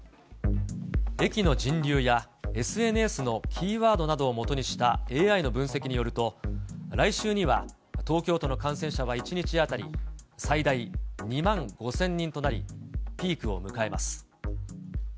駅の人流やＳＮＳのキーワードなどをもとにしたＡＩの分析によると、来週には、東京都の感染者は１日当たり、最大２万５０００人となり、ピークを迎えます。